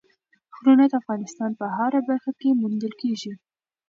غرونه د افغانستان په هره برخه کې موندل کېږي.